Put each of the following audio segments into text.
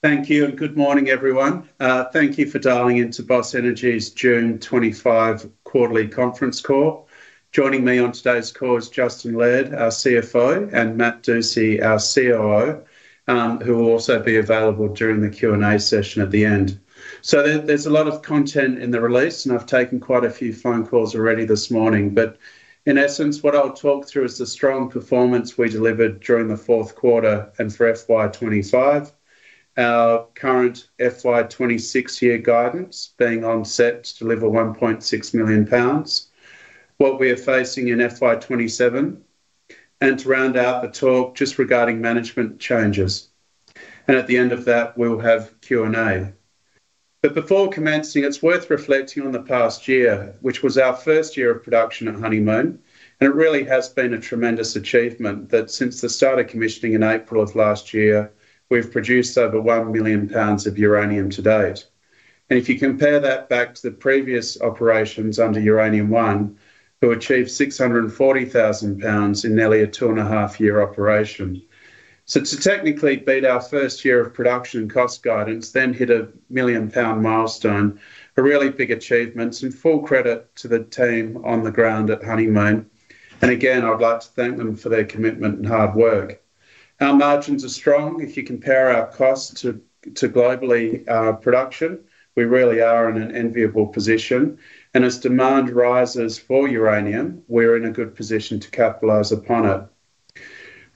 Thank you and good morning, everyone. Thank you for dialing into Boss Energy's June 25 quarterly conference call. Joining me on today's call is Justin Laird, our CFO, and Matt Dusci, our COO, who will also be available during the Q&A session at the end. There is a lot of content in the release and I've taken quite a few phone calls already this morning. In essence, what I'll talk through is the strong performance we delivered during the fourth quarter and for FY 2025, our current FY 2026 year guidance being on set to deliver 1.6 million lbs. What we are facing in FY 2027 and to round out a talk just regarding management changes. At the end of that we'll have Q&A. Before commencing, it's worth reflecting on the past year, which was our first year of production at Honeymoon. It really has been a tremendous achievement that since the start of commissioning in April of last year, we've produced over 1 million lbs of uranium to date. If you compare that back to the previous operations under Uranium One, who achieved 640,000 lbs in nearly a two and a half year operation. To technically beat our first year of production, cost guidance then hit a million pound milestone, a really big achievement and full credit to the team on the ground at Honeymoon. I’d like to thank them for their commitment and hard work. Our margins are strong. If you compare our costs to global production, we really are in an enviable position. As demand rises for uranium, we're in a good position to capitalize upon it.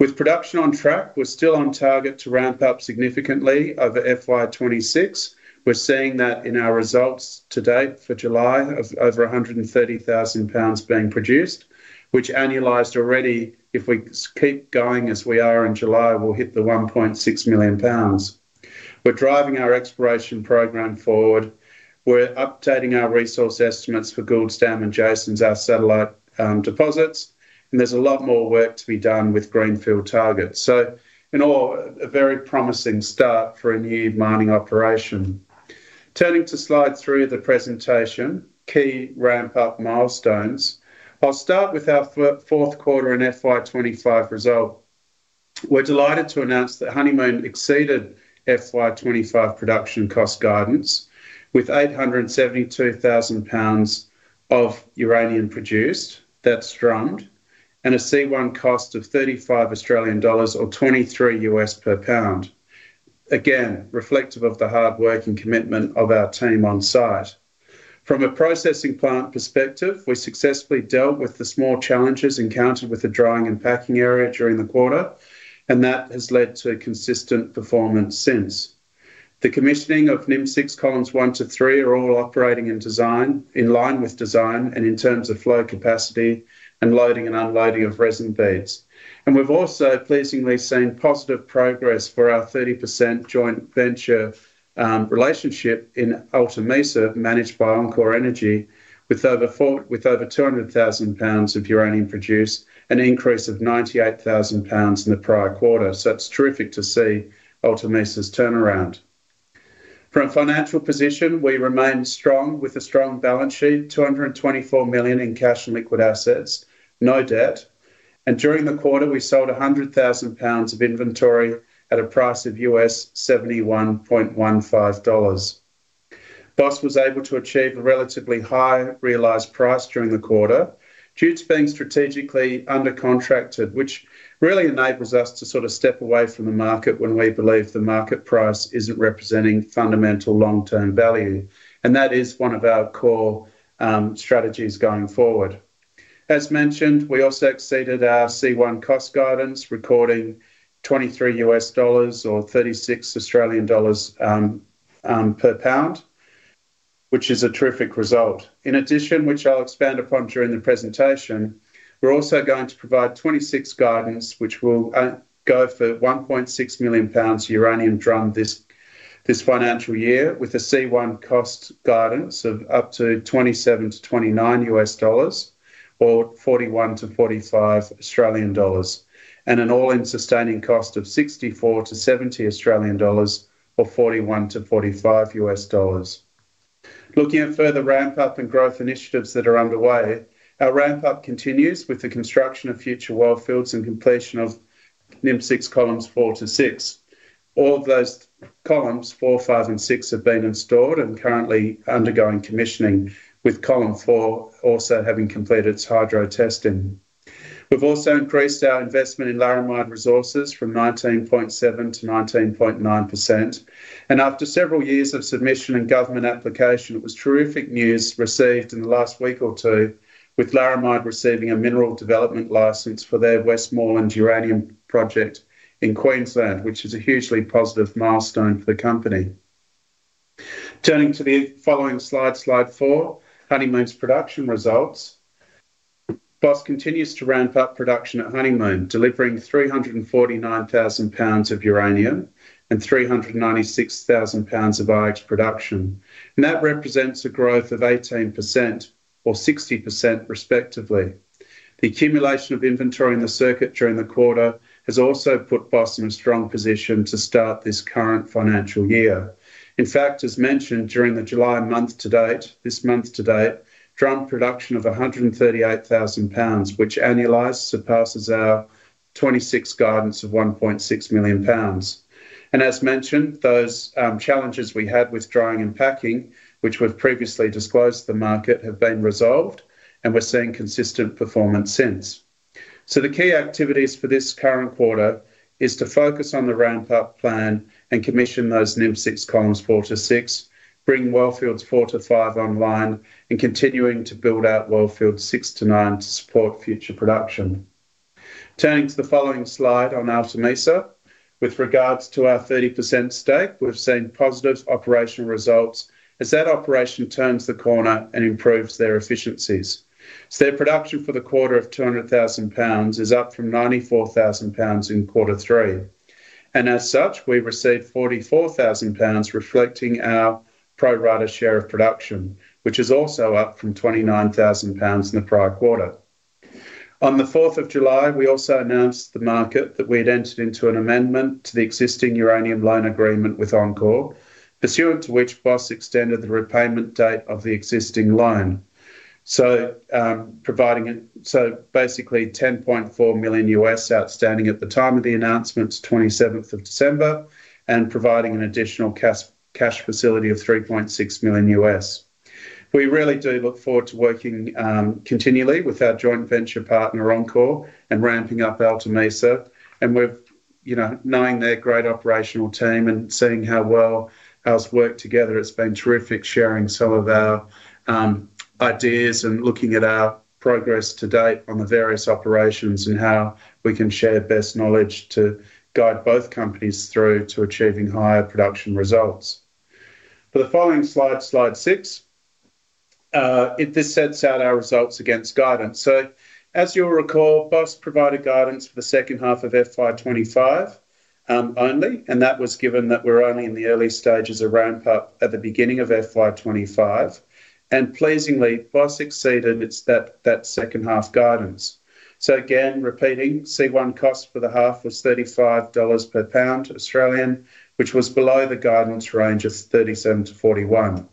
With production on track, we're still on target to ramp up significantly over FY 2026. We're seeing that in our results to date for July of over 130,000 lbs being produced, which annualized already. If we keep going as we are in July, we'll hit the 1.6 million lbs. We're driving our exploration program forward. We're updating our resource estimates for Goulds Dam and Jason’s, our satellite deposits, and there's a lot more work to be done with Greenfield Target. In all, a very promising start for a new mining operation. Turning to slide three of the presentation key ramp up milestones, I'll start with our fourth quarter in FY 2025 result. We're delighted to announce that Honeymoon exceeded FY 2025 production cost guidance with 872,000 lbs of uranium produced. That's drummed and a C1 cost of 35 Australian dollars or $23 per pound, again reflective of the hard work and commitment of our team on site. From a processing plant perspective, we successfully dealt with the small challenges encountered with the drying and packing area during the quarter, and that has led to consistent performance since the commissioning of NIM6. Columns 1-3 are all operating in line with design in terms of flow, capacity, and loading and unloading of resin beads. We've also pleasingly seen positive progress for our 30% joint venture relationship in Alta Mesa, managed by enCore Energy, with over 200,000 lbs of uranium produced, an increase of 98,000 lbs in the prior quarter. It's terrific to see Alta Mesa's turnaround. From a financial position, we remain strong with a strong balance sheet, 224 million in cash and liquid assets, no debt, and during the quarter we sold 100,000 lbs of inventory at a price of $71.15. Boss was able to achieve a relatively high realized price during the quarter due to being strategically under-contracted, which really enables us to sort of step away from the market when we believe the market price isn't representing fundamental long-term value. That is one of our core strategies going forward. As mentioned, we also exceeded our C1 cost guidance, recording $23 or 36 Australian dollars per pound, which is a terrific result. In addition, which I'll expand upon during the presentation, we're also going to provide 2026 guidance which will go for 1.6 million lbs uranium drum this financial year with a C1 cost guidance of up to $27-$29 or 41-45 Australian dollars and an all-in sustaining cost of 64-70 Australian dollars or $41-$45. Looking at further ramp-up and growth initiatives that are underway, our ramp-up continues with the construction of future wellfields and completion of NIM6 columns 4-6. All of those columns 4, 5, and 6 have been installed and are currently undergoing commissioning, with column 4 also having completed its hydro testing. We've also increased our investment in Laramide Resources from 19.7%-19.9%, and after several years of submission and government application, it was terrific news received in the last week or two with Laramide receiving a mineral development license for their Westmoreland uranium project in Queensland, which is a hugely positive milestone for the company. Turning to the following slide, Slide four, Honeymoon's production results. Boss continues to ramp up production at Honeymoon, delivering 349,000 lbs of uranium and 396,000 lbs of IX production, and that represents a growth of 18% or 60% respectively. The accumulation of inventory in the circuit during the quarter has also put Boss in a strong position to start this current financial year. In fact, as mentioned, during the July month to date, this month to date drum production of 138,000 lbs, which annualized surpasses our 2026 guidance of 1.6 million lbs. As mentioned, those challenges we had with drying and packing, which we've previously disclosed to the market, have been resolved and we're seeing consistent performance since. The key activities for this current quarter are to focus on the ramp up plan and commission those NIM6 columns 4-6, bring Wellfields 4 to 5 online, and continue to build out Wellfields 6-9 to support future production. Turning to the following slide on Alta Mesa, with regards to our 30% stake, we've seen positive operational results as that operation turns the corner and improves their efficiencies. Their production for the quarter of 200,000 lbs is up from 94,000 lbs in quarter three, and as such we received 44,000 lbs reflecting our pro rata share of production, which is also up from 29,000 lbs in the prior quarter. On the 4th of July, we also announced to the market that we had entered into an amendment to the existing uranium loan agreement with enCore, pursuant to which Boss extended the repayment date of the existing loan, providing basically $10.4 million outstanding at the time of the announcement, 27th of December, and providing an additional cash facility of $3.6 million. We really do look forward to working continually with our joint venture partner enCore and ramping up Alta Mesa. Knowing their great operational team and seeing how well ours work together, it's been terrific sharing some of our ideas and looking at our progress to date on the various operations and how we can share best knowledge to guide both companies through to achieving higher production results. For the following slide, slide six, this sends out our results against guidance. As you'll recall, Boss provided guidance for the second half of FY 2025 only, and that was given that we're only in the early stages of ramp up at the beginning of FY 2025, and pleasingly Boss exceeded that second half guidance. Again, repeating, C1 cost for the half was AUD 35 per pound, which was below the guidance range of 37-41.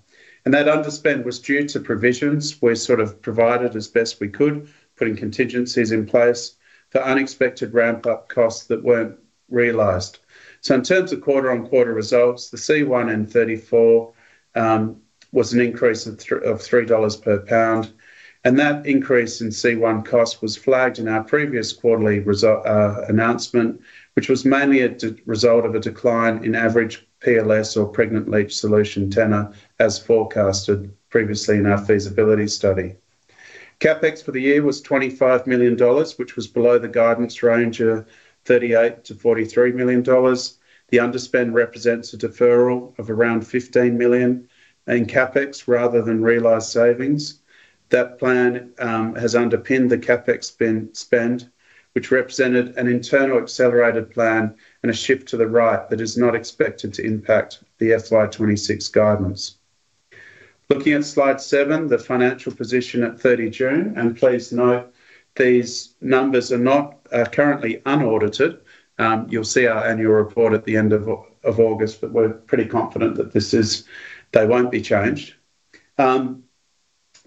That underspend was due to provisions we sort of provided as best we could, putting contingencies in place for unexpected ramp-up costs that weren't realized. In terms of quarter-on-quarter results, the C1 in 34 was an increase of 3 dollars per pound, and that increase in C1 cost was flagged in our previous quarterly result announcement, which was mainly a result of a decline in average PLS, or pregnant leach solution tenor. As forecasted previously in our feasibility study, CapEx for the year was AUD 25 million, which was below the guidance range of AUD 38 million- AUD 43 million. The underspend represents a deferral of around AUD 15 million in CapEx rather than realized savings. That plan has underpinned the CapEx spend, which represented an internal accelerated plan and a shift to the right that is not expected to impact the FY 2026 guidance. Looking at slide seven, the financial position at the 30th of June, and please note these numbers are currently unaudited. You'll see our annual report at the end of August, but we're pretty confident that they won't be changed.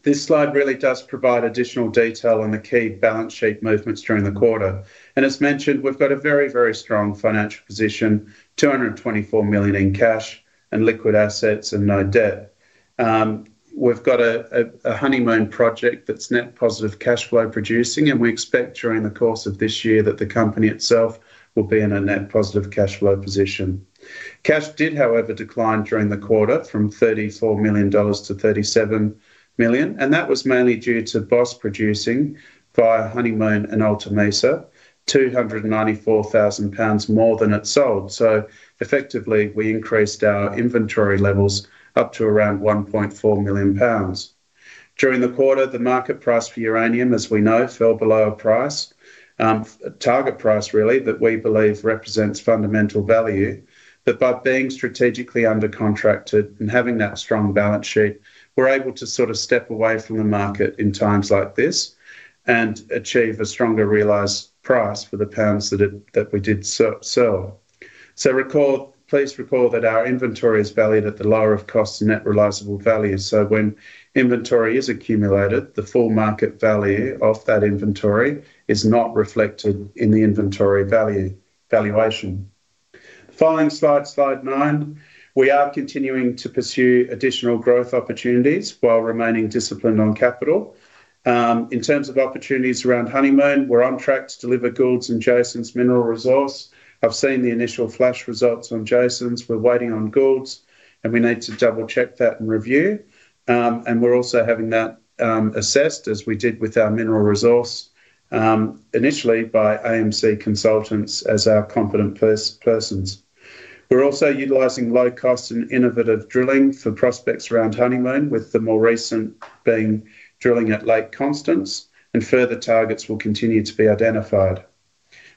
This slide really does provide additional detail on the key balance sheet movements during the quarter. As mentioned, we've got a very, very, very strong financial position: 224 million in cash and liquid assets and no debt. We've got a Honeymoon project that's net positive cash flow producing, and we expect during the course of this year that the company itself will be in a net positive cash flow position. Cash did, however, decline during the quarter from 34 million-37 million dollars, and that was mainly due to Boss producing via Honeymoon and Alta Mesa 294,000 pounds more than it sold. Effectively, we increased our inventory levels up to around 1.4 million lbs during the quarter. The market price for uranium, as we know, fell below a price target price really that we believe represents fundamental value. By being strategically under-contracted and having that strong balance sheet, we're able to sort of step away from the market in times like this and achieve a stronger realized price for the pounds that we did sell. Please recall that our inventory is valued at the lower of cost or net realizable value. When inventory is accumulated, the full market value of that inventory is not reflected in the inventory valuation. Following slide nine, we are continuing to pursue additional growth opportunities while remaining disciplined on capital. In terms of opportunities around Honeymoon, we're on track to deliver Goulds and Jason’s mineral resource. I've seen the initial flash results on Jason’s, we're waiting on Goulds and we need to double check that and review, and we're also having that assessed as we did with our mineral resource initially by AMC Consultants as our competent persons. We're also utilizing low cost and innovative drilling for prospects around Honeymoon, with the more recent being drilling at Lake Constance, and further targets will continue to be identified.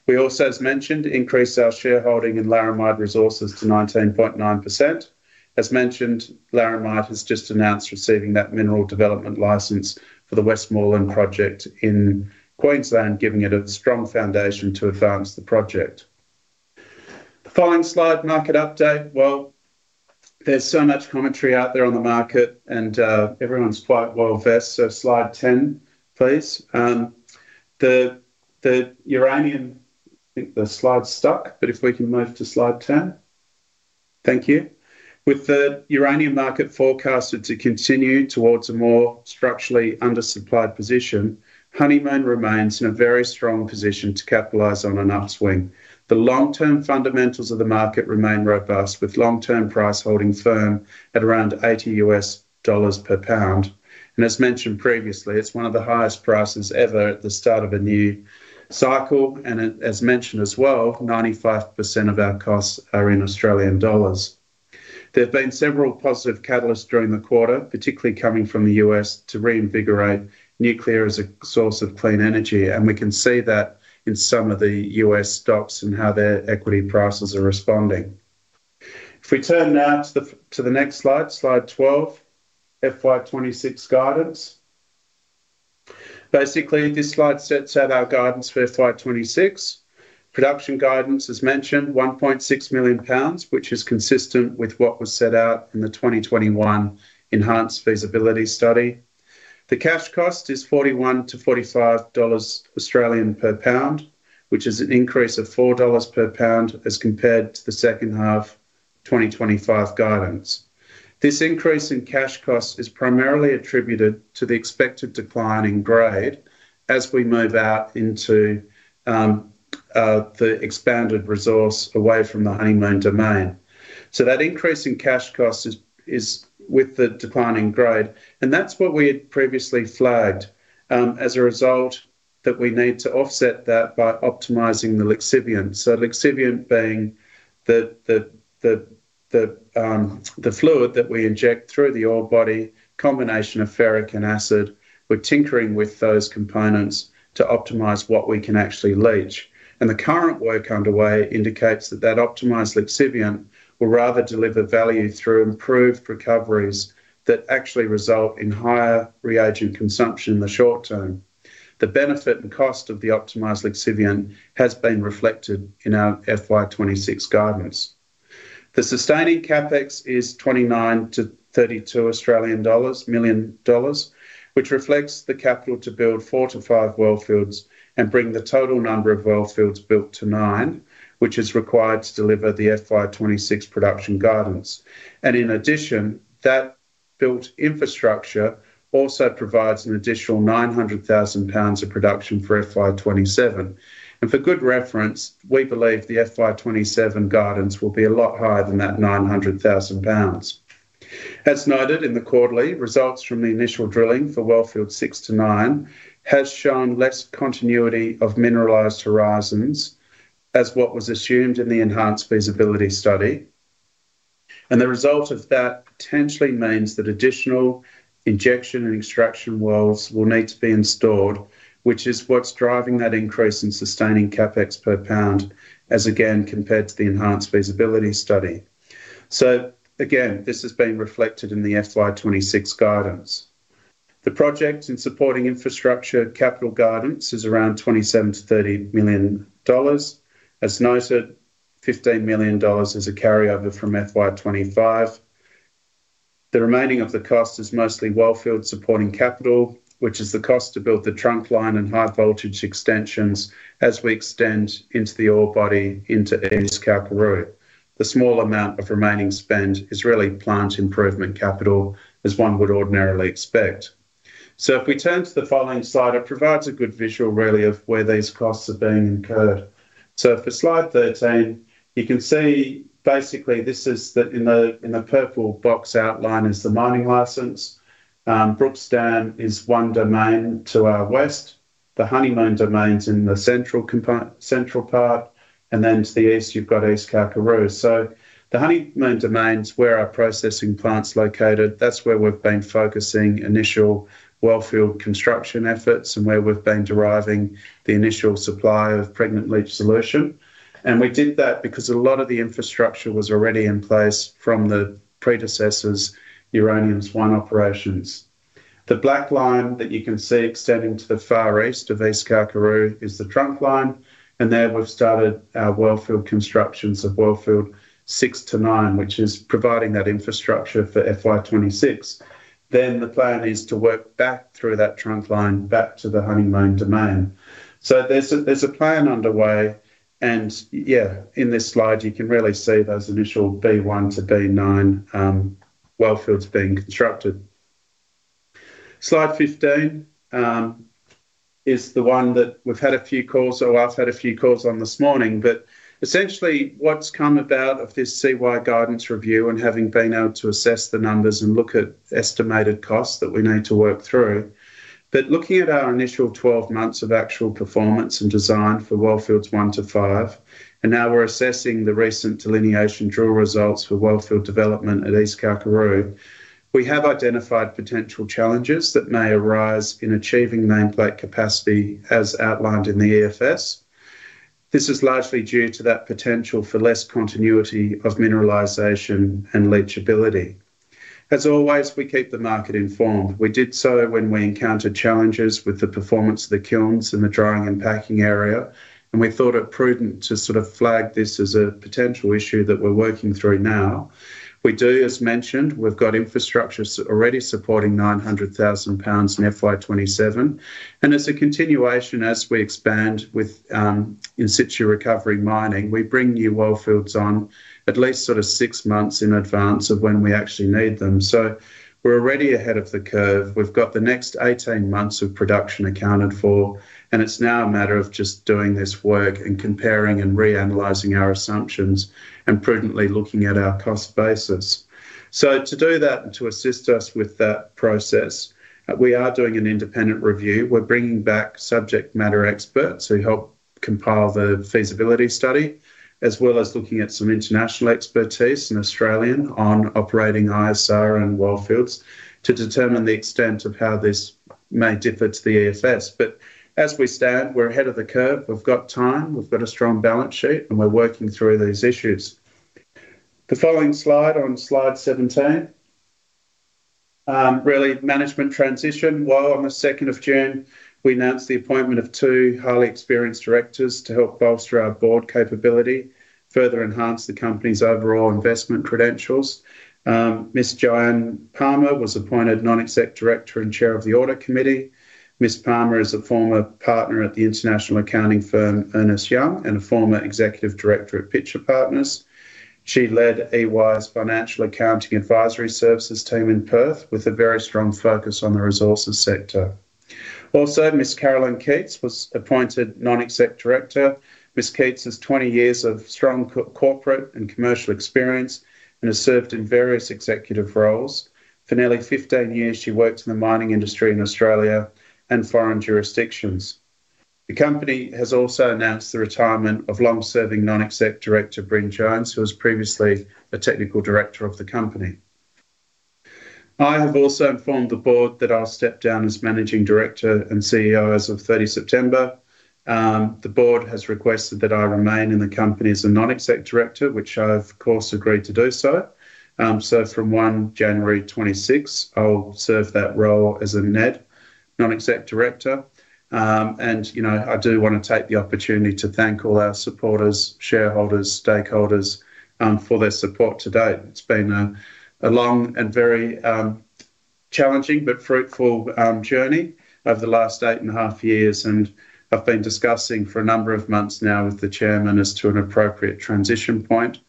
We also, as mentioned, increased our shareholding in Laramide Resources to 19.9%. As mentioned, Laramide has just announced receiving that mineral development license for the Westmoreland project in Queensland, giving it a strong foundation to advance the project. Following slide, market update. There is so much commentary out there on the market and everyone's quite well versed, so slide 10 please. The uranium. The slide's stuck, but if we can move to slide 10. Thank you. With the uranium market forecasted to continue towards a more structurally undersupplied position, the Honeymoon remains in a very strong position to capitalize on an upswing. The long term fundamentals of the market remain robust with long term price holdings firm at around $80 per pound, and as mentioned previously, it's one of the highest prices ever at the start of a new cycle. As mentioned as well, 95% of our costs are in Australian dollars. There have been several positive catalysts during the quarter, particularly coming from the U.S. to reinvigorate nuclear as a source of clean energy, and we can see that in some of the U.S. stocks and how their equity prices are responding. If we turn now to the next slide. Slide 12, FY 2026 Guidance. Basically, this slide sets out our guidance for FY 2026 production guidance, as mentioned, 1.6 million lbs, which is consistent with what was set out in the 2021 Enhanced Feasibility Study. The cash cost is AUD 41-AUD 45 per pound, which is an increase of AUD 4 per pound as compared to the second half 2025 guidance. This increase in cash cost is primarily attributed to the expected decline in grade as we move out into the expanded resource away from the Honeymoon domain. That increase in cash cost is with the declining grade, and that's what we had previously flagged as a result that we need to offset that by optimizing the lixiviant. Lixiviant being the fluid that we inject through the ore body, a combination of ferric and acid. We're tinkering with those components to optimize what we can actually leach. The current work underway indicates that that optimized lixiviant will rather deliver value through improved recoveries that actually result in higher reagent consumption in the short term. The benefit and cost of the optimized lixiviant has been reflected in our FY 2026 guidance. The sustaining capital expenditures is 29 million-32 million Australian dollars, which reflects the capital to build four to five wellfields and bring the total number of wellfields built to nine, which is required to deliver the FY 2026 production guidance. In addition, that built infrastructure also provides an additional 900,000 lbs of production for FY 2027. For good reference, we believe the FY 2027 guidance will be a lot higher than that 900,000 lbs. As noted in the quarterly results, the initial drilling for Wellfield six to nine has shown less continuity of mineralized horizons than what was assumed in the enhanced feasibility study. The result of that potentially means that additional injection and extraction wells will need to be installed, which is what's driving that increase in sustaining capital expenditures per pound as compared to the enhanced feasibility study. This has been reflected in the FY 2026 guidance. The project and supporting infrastructure capital guidance is around 27 million-30 million dollars. As noted, 15 million dollars is a carryover from FY 2025. The remaining cost is mostly wellfield supporting capital, which is the cost to build the trunk line and high voltage extensions as we extend into the ore body into East Kalkaroo. The small amount of remaining spend is really plant improvement capital as one would ordinarily expect. If we turn to the following slide, it provides a good visual of where these costs are being incurred. For slide 13, you can see basically this is that in the purple box outline is the mining license. Goulds Dam is one domain to our west. The Honeymoon domain's in the central part. To the east, you've got East Kalkaroo. The Honeymoon domains where our processing plant's located, that's where we've been focusing initial wellfield construction efforts and where we've been deriving the initial supply of pregnant leach solution. We did that because a lot of the infrastructure was already in place from the predecessor's uranium operations. The black line that you can see extending to the far east of East Kalkaroo is the trunk line. There we've started our wellfield constructions of Wellfield six to nine, which is providing that infrastructure for FY 2026. The plan is to work back through that trunk line back to the Honeymoon domain. There's a plan underway. In this slide you can really see those initial B1 to B9 wellfields being constructed. Slide 15 is the one that we've had a few calls on this morning, but essentially what's come about of this CY guidance review and having been able to assess the numbers and look at estimated costs that we need to work through, looking at our initial 12 months of actual performance and design for Wellfields obe to five, and now we're assessing the recent delineation drill results for wellfield development at East Kalkaroo, we have identified potential challenges that may arise in achieving nameplate capacity as outlined in the EFS. This is largely due to that potential for less continuity of mineralization and leachability. As always, we keep the market informed. We did so when we encountered challenges with the performance of the kilns in the drying and packing area, and we thought it prudent to sort of flag this as a potential issue that we're working through now. As mentioned, we've got infrastructure already supporting 900,000 lbs in FY 2027. As a continuation, as we expand with in situ recovery mining, we bring new wellfields on at least six months in advance of when we actually need them. We're already ahead of the curve. We've got the next 18 months of production accounted for, and it's now a matter of just doing this work and comparing and reanalyzing our assumptions and prudently looking at our cost basis. To do that and to assist us with that process, we are doing an independent review. We're bringing back subject matter experts who helped compile the feasibility study as well as looking at some international expertise in Australian on operating ISR and wellfields to determine the extent of how this may differ to the EFS. As we stand, we're ahead of the curve. We've got time, we've got a strong balance sheet, and we're working through these issues. The following slide on slide 17 really covers management transition. On the 2nd of June, we announced the appointment of two highly experienced directors to help bolster our board capability and further enhance the company's overall investment credentials. Ms. Joanne Palmer was appointed Non-Executive Director and Chair of the Audit Committee. Ms. Palmer is a former partner at the international accounting firm Ernst & Young and a former Executive Director at Pitcher Partners. She led EY's Financial Accounting Advisory Services team in Perth with a very strong focus on the resources sector. Also, Ms. Carolyn Keats was appointed Non-Executive Director. Ms. Keats has 20 years of strong corporate and commercial experience and has served in various executive roles for nearly 15 years. She worked in the mining industry in Australia and foreign jurisdictions. The company has also announced the retirement of long-serving Non-Executive Director Bryn Jones, who was previously a Technical Director of the company. I have also informed the board that I'll step down as Managing Director and CEO as of 30 September. The board has requested that I remain in the company as a Non-Executive Director, which I of course agreed to do. From 1 January 2026, I'll serve that role as a NED, Non-Executive Director. I do want to take the opportunity to thank all our supporters, shareholders, and stakeholders for their support to date. It's been a long and very challenging but fruitful journey over the last eight and a half years, and I've been discussing for a number of months now with the Chairman as to an appropriate transition point.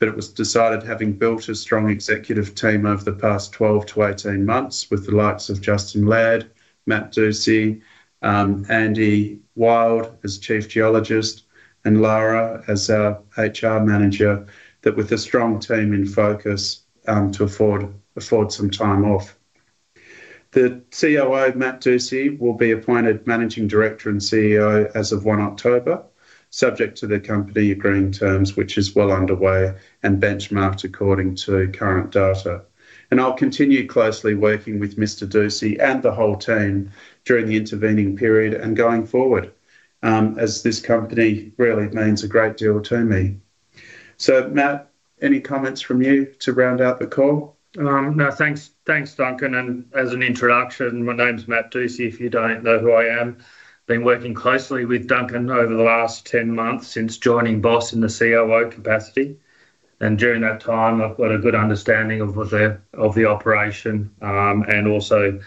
It was decided, having built a strong executive team over the past 12-18 months with the likes of Justin Laird, Matt Dusci, Andy Wild as Chief Geologist, and Lara as our HR Manager, that with a strong team in focus to afford some time off, the COO Matt Dusci will be appointed Managing Director and CEO as of 1 October, subject to the company agreeing terms, which is well underway and benchmarked according to current data. I'll continue closely working with Mr. Dusci and the whole team during the intervening period and going forward, as this company really means a great deal to me. Matt, any comments from you to round out the call? No, thanks. Thanks, Duncan. As an introduction, my name's Matt Dusci, if you don't know who I am. Been working closely with Duncan over the last 10 months since joining Boss in the COO capacity and during that time I've got a good understanding of the operation and also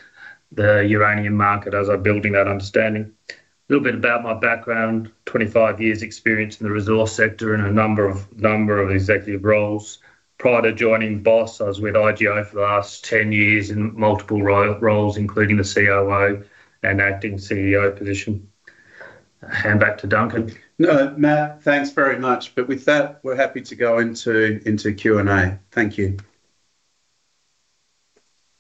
the uranium market as I'm building that understanding. A little bit about my background, 25 years experience in the resource sector and a number of executive roles. Prior to joining Boss, I was with IGO for the last 10 years in multiple roles including the COO and Acting CEO position. Hand back to Duncan. Matt, thanks very much. With that, we're happy to go into Q&A. Thank you.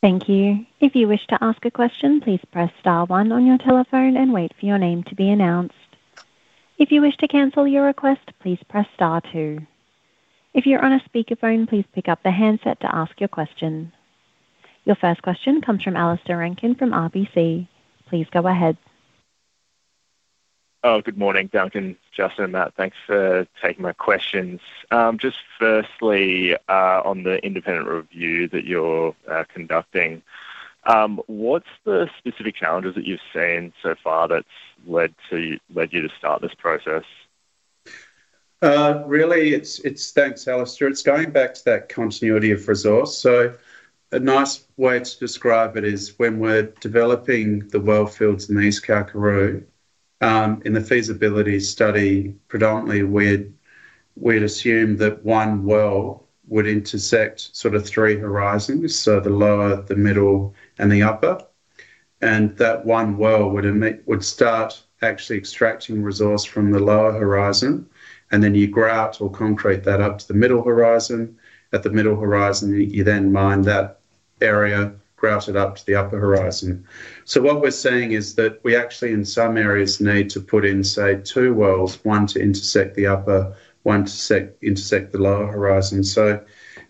Thank you. If you wish to ask a question, please press Star one on your telephone and wait for your name to be announced. If you wish to cancel your request, please press Star two. If you're on a speakerphone, please pick up the handset to ask your question. Your first question comes from Alistair Rankine from RBC. Please go ahead. Good morning, Duncan, Justin, and Matt. Thanks for taking my questions. Just firstly, on the independent review that you're conducting, what's the specific challenges that you've seen so far that's led you to start this process? Really, it's thanks, Alistair. It's going back to that continuity of resource. A nice way to describe it is when we're developing the wellfields in East Kalkaroo, in the feasibility study predominantly we had assumed that one well would intersect sort of three horizons, so the lower, the middle, and the upper. That one well would start actually extracting resource from the lower horizon, and then you grout or concrete that up to the middle horizon. At the middle horizon, you then mine that area, grouted up to the upper horizon. What we're seeing is that we actually in some areas need to put in, say, two wells, one to intersect the upper, one to intersect the lower horizon.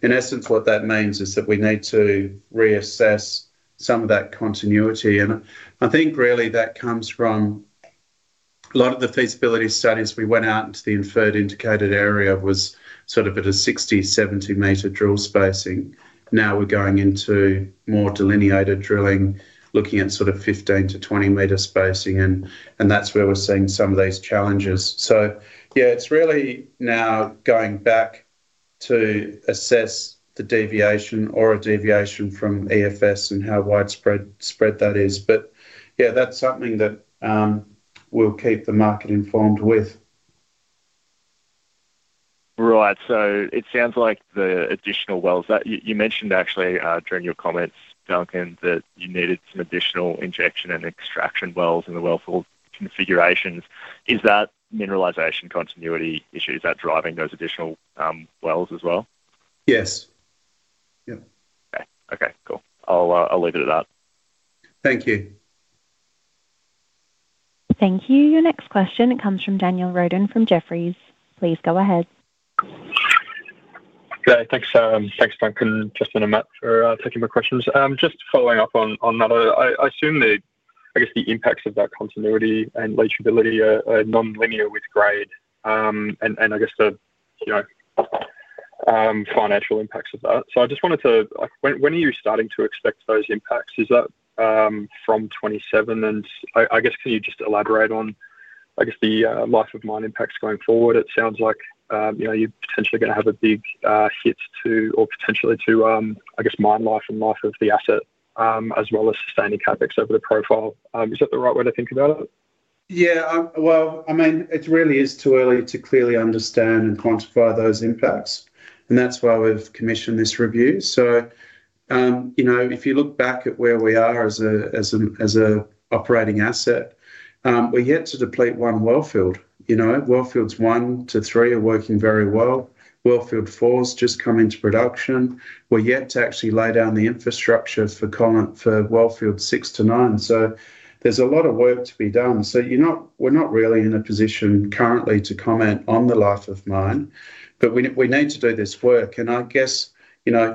In essence, what that means is that we need to reassess some of that continuity. I think really that comes from a lot of the feasibility studies we went out into. The inferred indicated area was sort of at a 60m, 70m drill spacing. Now we're going into more delineated drilling, looking at sort of 15m-20m spacing, and that's where we're seeing some of these challenges. It's really now going back to assess the deviation or a deviation from EFS and how widespread that is. That's something that we'll keep the market informed with. Right. It sounds like the additional wells that you mentioned during your comments, Duncan, that you needed some additional injection and extraction wells in the wellfield configurations. Is that mineralization continuity issue driving those additional wells as well? Yes. Yep. Okay, cool. I'll leave it at that. Thank you. Thank you. Your next question comes from Daniel Roden from Jefferies. Please go ahead. Yeah, thanks. Thanks, Frank and Justin and Matt for taking my questions. Just following up on that, I assume the impacts of that continuity and legibility are non-linear with grade, and the financial impacts of that. I just wanted to ask, when are you starting to expect those impacts? Is that from 2027? Can you just elaborate on the life of mine impacts going forward? It sounds like you are potentially going to have a big hit to mine life and life of the asset, as well as sustaining CapEx over the profile. Is that the right way to think about it? It really is too early to clearly understand and quantify those impacts, and that's why we've commissioned this review. If you look back at where we are as an operating asset, we're yet to deplete one wellfield. Wellfields one to three are working very well. Wellfield four has just come into production. We're yet to actually lay down the infrastructure for wellfields six to nine. There's a lot of work to be done. We're not really in a position currently to comment on the life of mine, but we need to do this work, and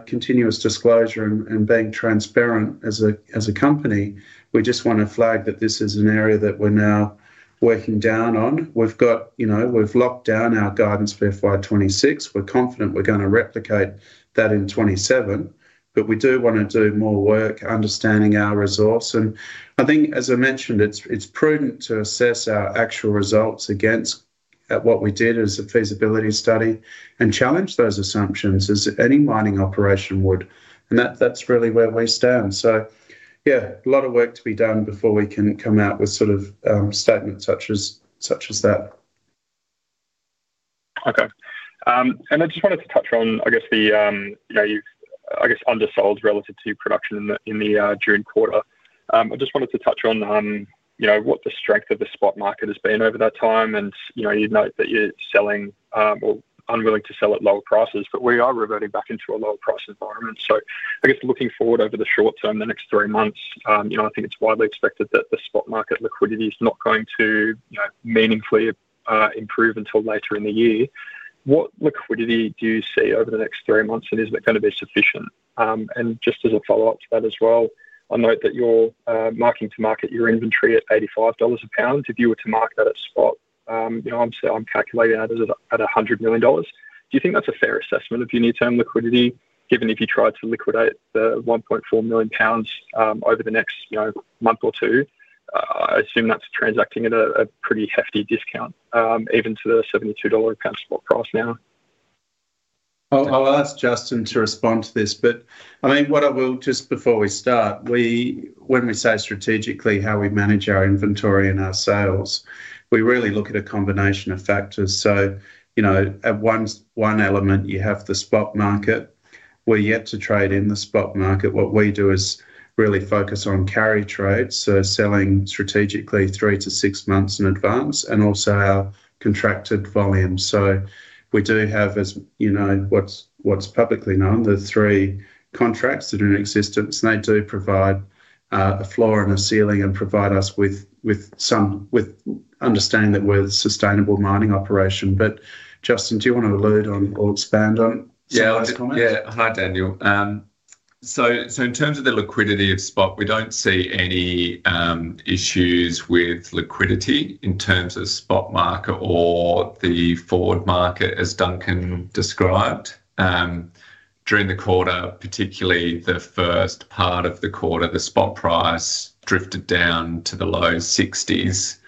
continuous disclosure and being transparent as a company, we just want to flag that this is an area that we're now working down on. We've locked down our guidance for FY 2026. We're confident we're going to replicate that in 2027. We do want to do more work understanding our resource. I think as I mentioned, it's prudent to assess our actual results against what we did as a feasibility study and challenge those assumptions as any mining operation would. That's really where we stand. A lot of work to be done before we can come out with statements such as that. Okay. I just wanted to touch on, I guess, the undersold relative to production in the June quarter. I just wanted to touch on what the strength of the spot market has been over that time. You note that you're selling or unwilling to sell at lower prices, but we are reverting back into a lower price environment. Looking forward over the short term, the next three months, I think it's widely expected that the spot market liquidity is not going to meaningfully improve until later in the year. What liquidity do you see over the next three months, and is that going to be sufficient? Just as a follow up to that as well, I note that you're marking to market your inventory at 85 dollars a pound. If you were to mark that at spot, I'm calculating that at 100 million dollars. Do you think that's a fair assessment of your near term liquidity given if you try to liquidate the 1.4 million lbs over the next month or two? I assume that's transacting at a pretty hefty discount even to the 72 dollar price. Now I'll ask Justin to respond to this. Just before we start, when we say strategically how we manage our inventory and our sales, we really look at a combination of factors. At one element you have the spot market. We're yet to trade in the spot market. What we do is really focus on carry trades, so selling strategically three to six months in advance and also our contracted volumes. We do have, as you know, what's publicly known, the three contracts that are in existence. They do provide a floor and a ceiling and provide us with some understanding that we're a sustainable mining operation. Justin, do you want to allude on or expand on? Yeah. Hi Daniel. In terms of the liquidity of spot, we don't see any issues with liquidity in terms of the spot market or the forward market as Duncan described. During the quarter, particularly the first part of the quarter, the spot price drifted down to the low AUD 60s.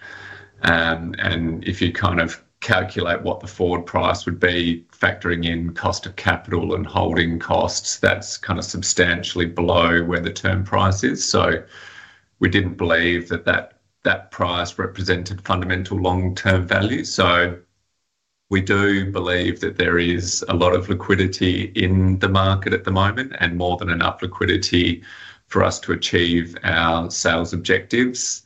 If you kind of calculate what the forward price would be factoring in cost of capital and holding costs, that's substantially below where the term price is. We didn't believe that that price represented fundamental long term value. We do believe that there is a lot of liquidity in the market at the moment and more than enough liquidity for us to achieve our sales objectives.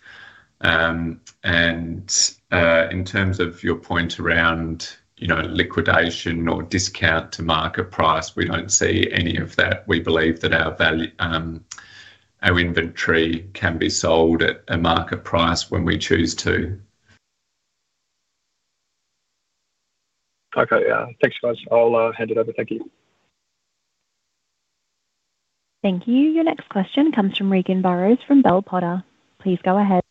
In terms of your point around liquidation or discount to market price, we don't see any of that. We believe that our value, our inventory can be sold at a market price when we choose to. Okay, thanks guys. I'll hand it over, Becky. Thank you. Your next question comes from Regan Burrows from Bell Potter. Please go ahead.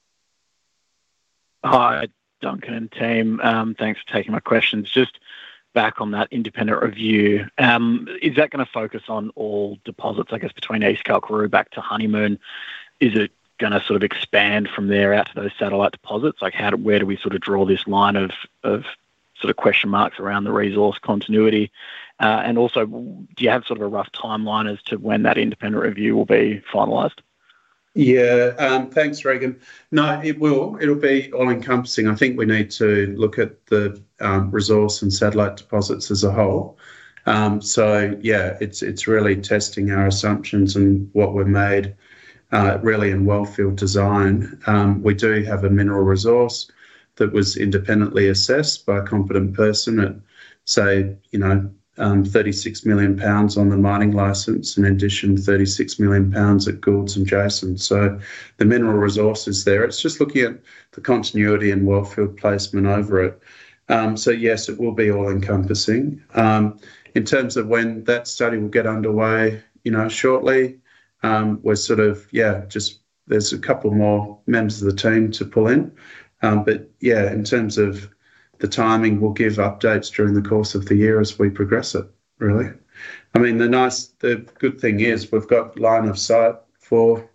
Hi Duncan, team, thanks for taking my questions. Just back on that independent review, is that going to focus on all deposits? I guess between East Kalkaroo back to Honeymoon, is it going to sort of expand from there out to those satellite deposits? Like, where do we sort of draw this line of sort of question marks around the resource continuity? Also, do you have sort of a rough timeline as to when that independent review will be finalized? Yeah, thanks Regan. No, it will be all encompassing. I think we need to look at the resource and satellite deposits as a whole. Yeah, it's really testing our assumptions and what we've made in wellfield design. We do have a mineral resource that was independently assessed by a competent person at, say, you know, 36 million lbs on the mining license. In addition, 36 million lbs at Goulds and Jason's, so the mineral resource is there. It's just looking at the continuity and wellfield placement over it. Yes, it will be all encompassing in terms of when that study will get underway. You know, shortly. There's a couple more members of the team to pull in. In terms of the timing, we'll give updates during the course of the year as we progress it. I mean, the good thing is we've got line of sight for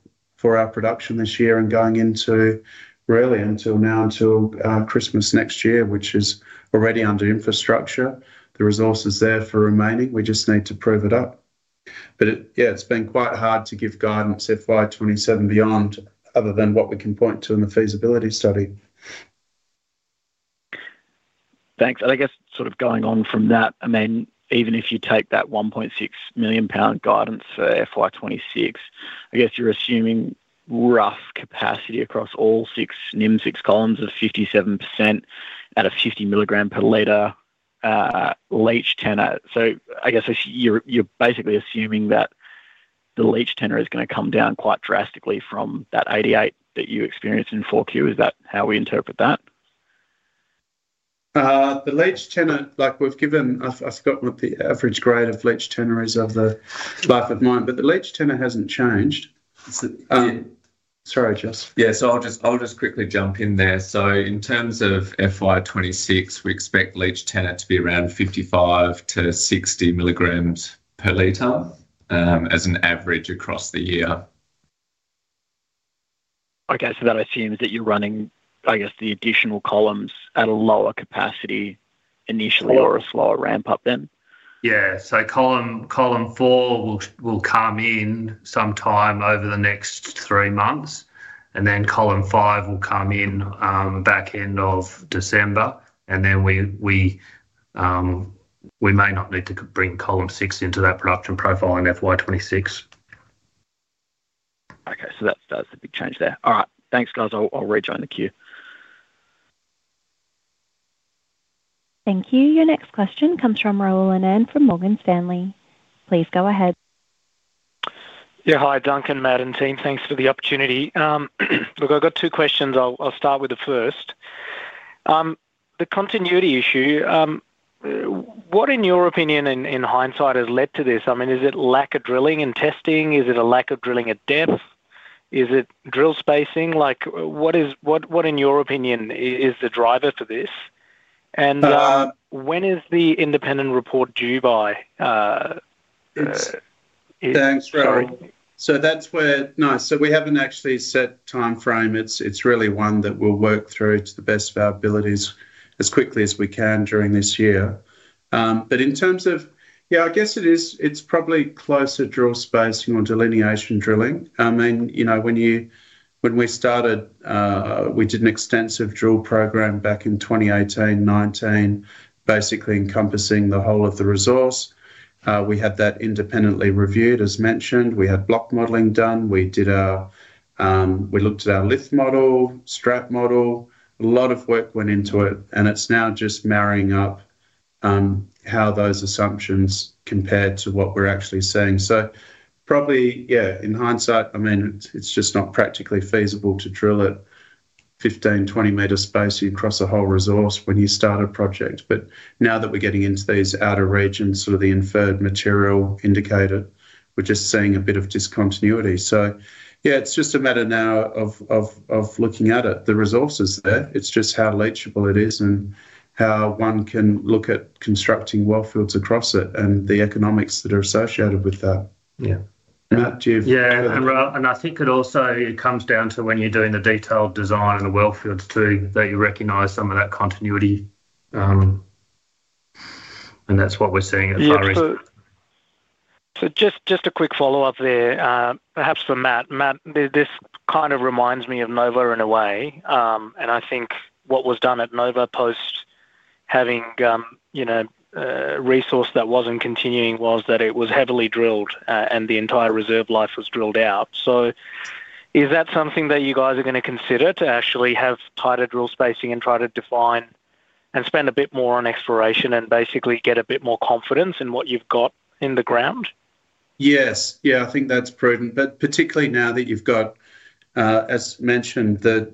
our production this year and going into, really until now, until Christmas next year, which is already under infrastructure. The resource is there for remaining. We just need to prove it up. Yeah, it's been quite hard to give guidance FY 2027 beyond other than what we can point to in the feasibility study. Thanks. I guess sort of going on from that, even if you take that 1.6 million lbs guidance for FY 2026, I guess you're assuming rough capacity across all six NIM6 columns of 57% at a 50 mm per liter leach tenor. I guess you're basically assuming that the leach tenor is going to come down quite drastically from that 88 that you experienced in 4Q. Is that how we interpret that? The leach tenor, like we've given. I've got what the average grade of leach tenor is of the life of mine, but the leach tenor hasn't changed. Sorry, Justin. Yeah, I'll just quickly jump in there. In terms of FY 2026, we expect leach tenor to be around 55 mg-60 mg per liter as an average across the year. Okay, so that assumes that you're running, I guess, the additional columns at a lower capacity initially or a slower ramp up then. Column four will come in sometime over the next three months, and then column five will come in back end of December. We may not need to bring column six into that production profile in FY 2026. Okay, that's a big change there. All right, thanks, guys. I'll rejoin the queue. Thank you. Your next question comes from Rahul Anand from Morgan Stanley. Please go ahead. Hi, Duncan, Matt and team. Thanks for the opportunity. I've got two questions. I'll start with the first. The continuity issue. What in your opinion, in hindsight, has led to this? Is it lack of drilling and testing? Is it a lack of drilling at depth? Is it drill spacing? What in your opinion is the driver for this and when is the independent report due by? Thanks, Rahul. That's where. Nice. We haven't actually set a timeframe. It's really one that we'll work through to the best of our abilities as quickly as we can during this year. In terms of, yeah, I guess it is probably closer draw spacing on delineation drilling. I mean, you know, when we started, we did an extensive drill program back in 2018, 2019, basically encompassing the whole of the resource. We had that independently reviewed as mentioned. We had block modeling done. We looked at our lift model, strap model. A lot of work went into it, and it's now just marrying up how those assumptions compared to what we're actually seeing. Probably, yeah, in hindsight, it's just not practically feasible to drill it 15 m, 20 m space across a whole resource when you start a project. Now that we're getting into these outer regions, sort of the inferred material, indicated, we're just seeing a bit of discontinuity. It's just a matter now of looking at it. The resource is there. It's just how leachable it is and how one can look at constructing wellfields across it and the economics that are associated with that. Yeah, Matt, yeah. I think it also comes down to when you're doing the detailed design and the wellfields too, that you recognize some of that continuity. And. That's what we're seeing. Just a quick follow up there perhaps for Matt. Matt, this kind of reminds me of NOVA in a way and I think what was done at NOVA post having, you know, resource that wasn't continuing was that it was heavily drilled and the entire reserve life was drilled out. Is that something that you guys are going to consider to actually have tighter drill spacing and try to define and spend a bit more on exploration and basically get a bit more confidence in what you've got in the ground? Yes, yeah, I think that's prudent. Particularly now that you've got, as mentioned, the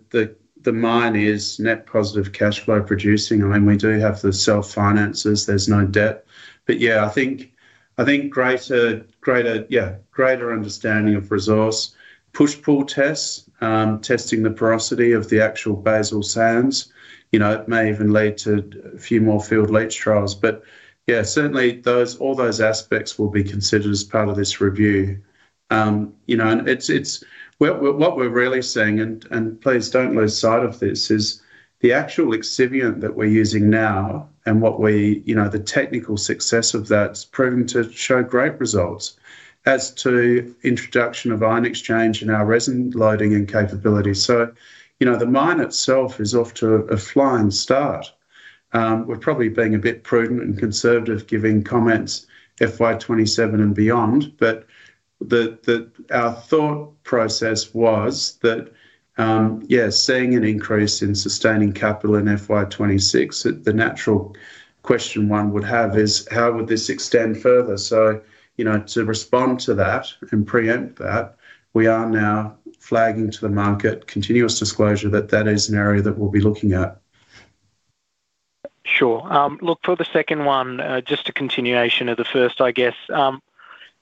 mine is net positive cash flow producing. I mean, we do have the self finances, there's no debt. I think greater understanding of resource push pull tests, testing the porosity of the actual basal sands, you know, it may even lead to a few more field leach trials. Certainly, all those aspects will be considered as part of this review. What we're really seeing, and please don't lose sight of this, is the actual lixiviant that we're using now and the technical success of that's proven to show great results as to introduction of ion exchange and our resin loading and capabilities. The mine itself is off to a flying start. We're probably being a bit prudent and conservative giving comments FY 2027 and beyond. Our thought process was that, yes, seeing an increase in sustaining capital in FY 2026, the natural question one would have is how would this extend further? To respond to that and preempt that, we are now flagging to the market continuous disclosure that that is an area that we'll be looking at. Sure. Look for the second one. Just a continuation of the first, I guess.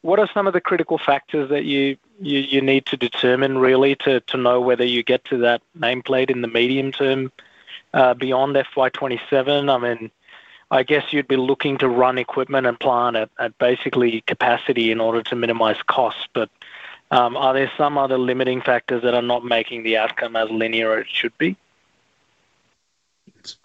What are some of the critical factors that you need to determine really to know whether you get to that nameplate in the medium term beyond FY 2027? I mean, I guess you'd be looking to run equipment and plant at basically capacity in order to minimize costs. Are there some other limiting factors that are not making the outcome as linear as it should be? It's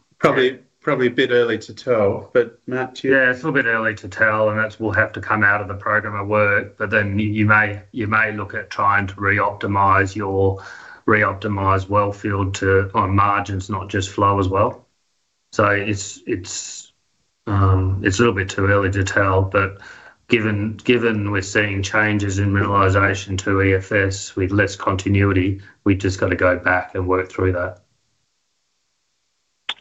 probably a bit early to tell, but Matt? Yeah, it's a little bit early to tell and that will have to come out of the program of work. You may look at trying to re-optimize your wellfield on margins, not just flow as well. It's a little bit too early to tell. Given we're seeing changes in mineralization to EFS with less continuity, we've just got to go back and work through that.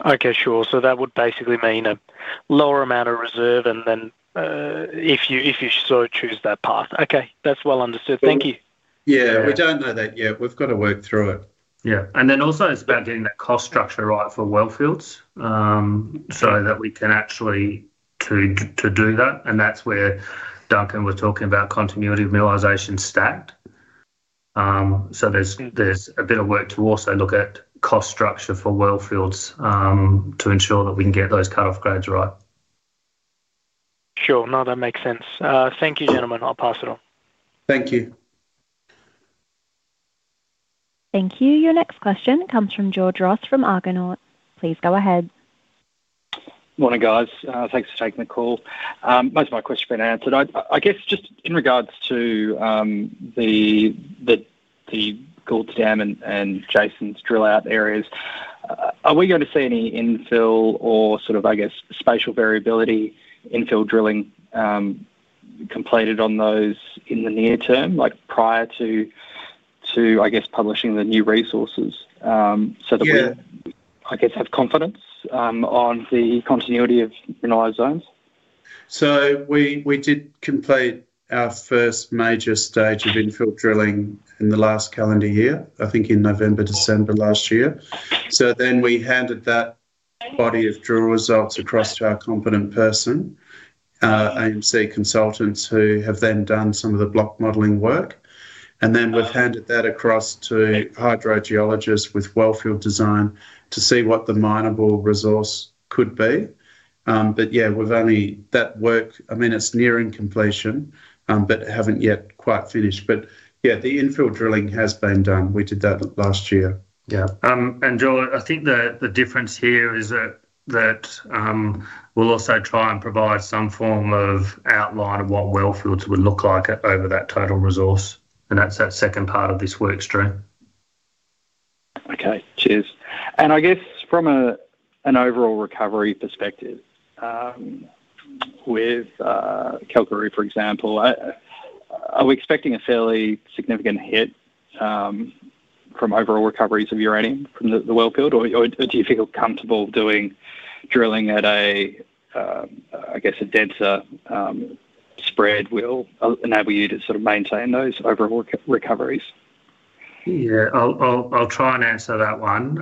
Okay, sure. That would basically mean a lower amount of reserve, and then if you so choose that path. Okay, that's well understood. Thank you. We don't know that yet. We've got to work through it. It's about getting that cost structure right for wellfields so that we can actually do that. That's where Duncan was talking about continuity realization stacked. There's a bit of work to also look at cost structure for wellfields to ensure that we can get those cutoff grades. Right. Sure. No, that makes sense. Thank you, gentlemen. I'll pass it on. Thank you. Thank you. Your next question comes from George Ross from Argonaut. Please go ahead. Morning guys. Thanks for taking the call. Most of my questions have been answered, I guess just in regards to the Goulds Dam and Jason’s drill out areas. Are we going to see any infill or sort of, I guess, spatial variability infill drilling completed on those in the near term, like prior to, I guess, publishing the new resources so that we, I guess, have confidence on the continuity of neither. We did complete our first major stage of infill drilling in the last calendar year, I think in November, December last year. We handed that body of drill results across to our competent person, AMC Consultants, who have then done some of the block modeling work. We have handed that across to hydrogeologists with wellfield design to see what the mineable resource could be. That work is nearing completion, but haven't yet quite finished. The infill drilling has been done. We did that last year. George, I think the difference here is that we'll also try and provide some form of outline of what wellfields would look like over that total resource, and that's that second part of this work stream. Okay, cheers. From an overall recovery perspective with East Kalkaroo, for example, are we expecting a fairly significant hit from overall recoveries of uranium from the wellfields, or do you feel comfortable doing drilling at a, I guess, a denser spread will enable you to sort of maintain those overall recoveries? Yeah, I'll try and answer that. One,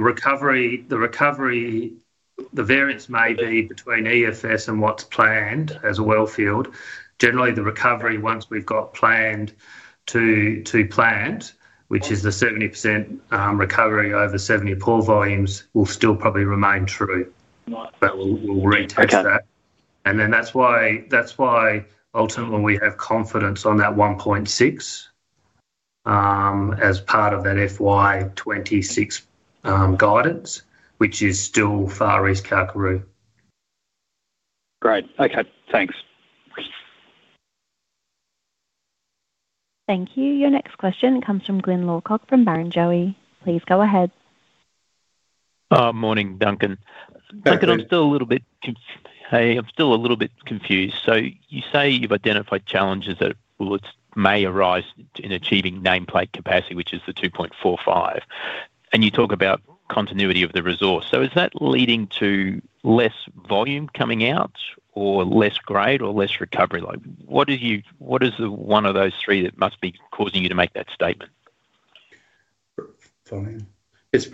recovery. The recovery, the variance may be between EFS and what's planned as a wellfield. Generally, the recovery once we've got plant to plant, which is the 70% recovery over 70 pore volumes, will still probably remain true, but we'll retouch that, and that's why ultimately we have confidence on that 1.6 as part of that FY 2026 guidance, which is still far East Kalkaroo. Great. Okay, thanks. Thank you. Your next question comes from Glyn Lawcock from Barrenjoey. Please go ahead. Morning, Duncan. Duncan, I'm still a little bit. I'm still a little bit confused. You say you've identified challenges that may arise in achieving nameplate capacity, which is the 2.45. You talk about continuity of the resource. Is that leading to less volume coming out or less grade or less recovery? What do you. Which one of those three must be causing you to make that statement? Volume would